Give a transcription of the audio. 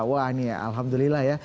wah ini ya alhamdulillah ya